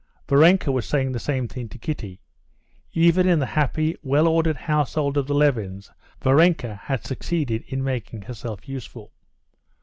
Varenka was saying the same thing to Kitty. Even in the happy, well ordered household of the Levins Varenka had succeeded in making herself useful.